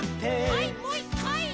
はいもう１かい！